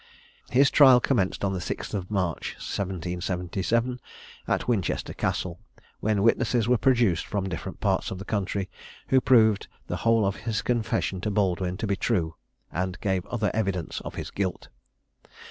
His trial commenced on the 6th of March, 1777, at Winchester Castle, when witnesses were produced from different parts of the country, who proved the whole of his confession to Baldwin to be true, and gave other evidence of his guilt.